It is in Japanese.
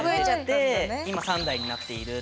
で今３台になっている。